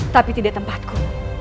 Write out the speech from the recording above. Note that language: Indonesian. tapi tidak tempatku